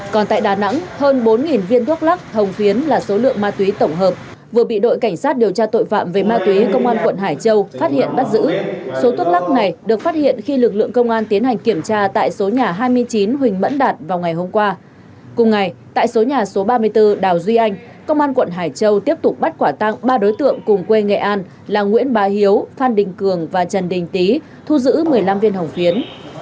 trong cảnh sát điều tra tội phạm về ma túy công an tỉnh thái nguyên vừa bắt quả tăng hai đối tượng trần văn tấn và lò văn huy có hành vi mua bán trái phép chất ma túy thu giữ bảy bánh heroin